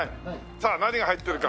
さあ何が入ってるか？